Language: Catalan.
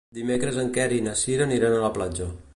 Dimecres en Quer i na Cira aniran a la platja.